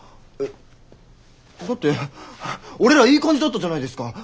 えだって俺らいい感じだったじゃないですか。